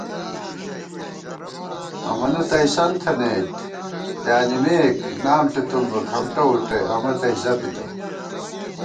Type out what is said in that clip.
امَنہ تَئیسَن تھنَئیت پیانِمېک، نام ݪِتُم بہ کھمٹہ وُٹَئ امہ تئ زَپِتہ